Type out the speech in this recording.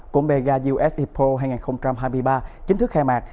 của mega us expo hai nghìn hai mươi ba chính thức khai mạc